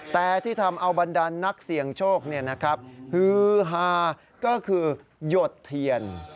แต่ที่ทำเอาบรรดานนักเสี่ยงโชคฮือฮาก็คือหยดเทียน